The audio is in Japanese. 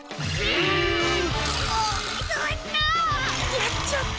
やっちゃった！